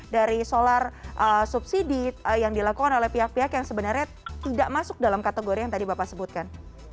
dari solar subsidi yang dilakukan oleh pihak pihak yang sebenarnya tidak masuk dalam kategori yang tadi bapak sebutkan